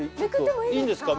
いいんですか？